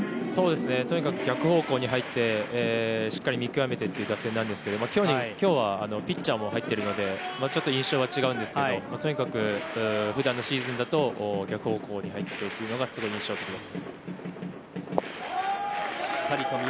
とにかく逆方向に入ってしっかり見極めてという打線なんですが、今日はピッチャーも入っているので印象は違うんですがとにかく普段のシーズンだと逆方向に入っていくのが印象的です。